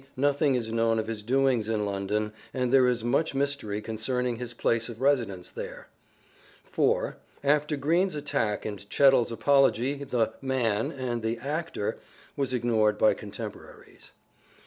Nothing is known of his doings in London, and there is much mystery concerning his place of residence there. 4. After Greene's attack and Chettle's apology the " man " and the " actor " was ignored by contemporaries. 5.